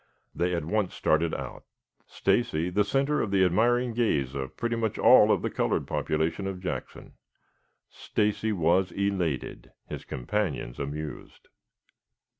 They at once started out, Stacy the center of the admiring gaze of pretty much all of the colored population of Jackson. Stacy was elated, his companions amused.